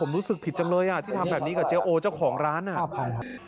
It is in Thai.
ผมรู้สึกผิดจังเลยอ่ะที่ทำแบบนี้กับเจ๊โอเจ้าของร้านอ่ะ